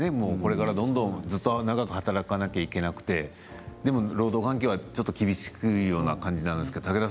これからどんどん長く働かなければいけなくてでも労働環境は、ちょっと厳しいような感じなんですけれども、